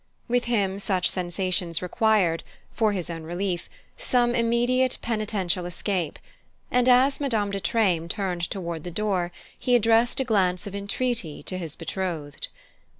With him such sensations required, for his own relief, some immediate penitential escape, and as Madame de Treymes turned toward the door he addressed a glance of entreaty to his betrothed.